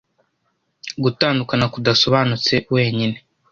Gutandukana kudasobanutse wenyine